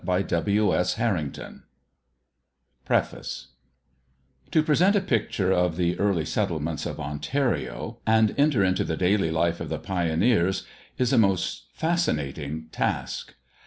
LIMITED REPRINTED 1916, 1924 *PREFACE* To present a picture of the early settlements of Ontario and enter into the daily life of the pioneers is a most fascinating task.